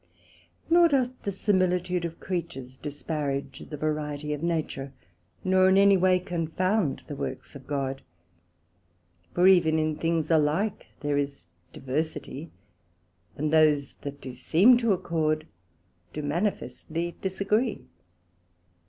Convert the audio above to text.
Nor doth the similitude of Creatures disparage the variety of Nature, nor any way confound the Works of God. For even in things alike there is diversity; and those that do seem to accord, do manifestly disagree.